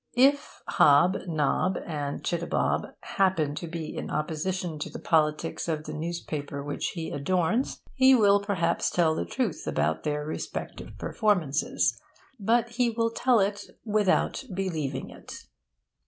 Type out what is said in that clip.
If Hob, Nob, and Chittabob happen to be in opposition to the politics of the newspaper which he adorns, he will perhaps tell the truth about their respective performances. But he will tell it without believing it.